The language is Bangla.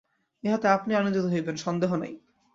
ইহাতে আপনিও আনন্দিত হইবেন, সন্দেহ নাই।